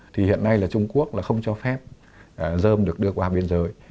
thì hiện nay là trung quốc là không cho phép dơm được đưa qua biên giới